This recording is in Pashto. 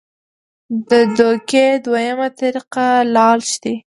د دوکې دویمه طريقه لالچ دے -